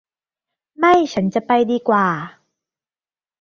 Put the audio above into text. ไม่ฉันจะไปดีกว่า